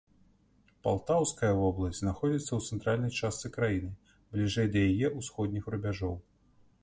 Палтаўская вобласць знаходзіцца ў цэнтральнай частцы краіны, бліжэй да яе ўсходніх рубяжоў.